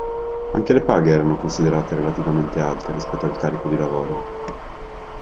Anche le paghe erano considerate relativamente alte rispetto al carico di lavoro.